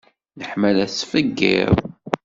Leḥmala tettfeggiḍ.